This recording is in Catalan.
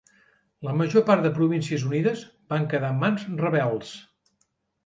La major part de les Províncies Unides van quedar en mans rebels.